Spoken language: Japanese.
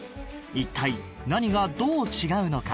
一体何がどう違うのか？